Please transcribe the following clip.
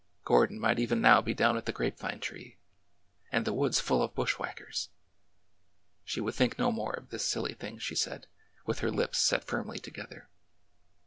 Gordon might even now be down at the grape vine tree— and the woods full of bushwhackers ! She would think no more of this silly thing, she said, with her lips set firmly together.